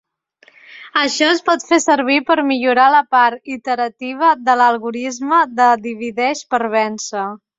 Això es pot fer servir per millorar la part iterativa de l'algorisme de divideix per vèncer.